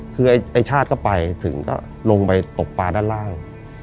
คือไอ้ชาติก็ไปถึงก็ลงไปตกปลาด้านล่าง